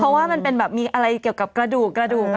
เพราะว่ามันเป็นแบบมีอะไรเกี่ยวกับกระดูกกระดูก